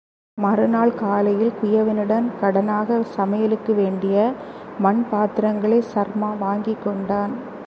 மறுநாள் காலையில் குயவனிடம் கடனாக, சமையலுக்கு வேண்டிய மண்பாத்திரங்களைச் சர்மா வாங்கிக்கொண்டான்.